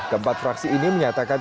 keempat fraksi ini menyatakan